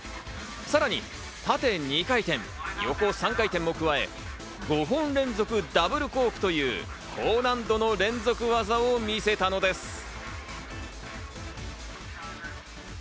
さらに縦２回転、横３回転も加え、５本連続ダブルコークという高難度の連続技を見せたのです。